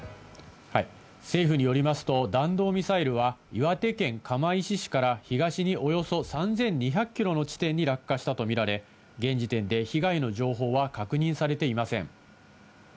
政府によりますと、弾道ミサイルは岩手県釜石市から東におよそ３２００キロの地点に落下したとみられ、現時点で被害の情報は確認されています。